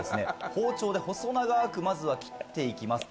包丁で細長く、まずは切っていきます。